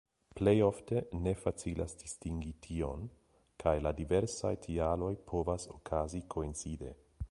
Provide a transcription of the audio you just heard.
Plej ofte ne facilas distingi tion kaj la diversaj tialoj povas okazi koincide.